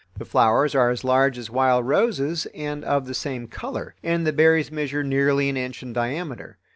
The flowers are as large as wild roses and of the same color, and the berries measure nearly an inch in diameter.